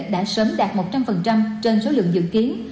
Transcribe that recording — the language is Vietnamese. đã sớm đạt một trăm linh trên số lượng dự kiến